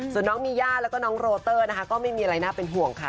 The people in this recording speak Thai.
ส่วนน้องมีย่าแล้วก็น้องโรเตอร์นะคะก็ไม่มีอะไรน่าเป็นห่วงค่ะ